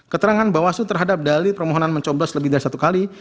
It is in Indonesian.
keterangan bawaslu terhadap dali permohonan mencoblos lebih dari satu kali